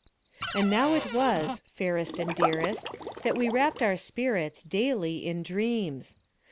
And now it was, fairest and dearest, that we wrapped our spirits, daily, in dreams.